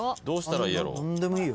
どうしたらいいやろう。